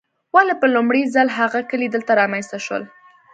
ولې په لومړي ځل هغه کلي دلته رامنځته شول.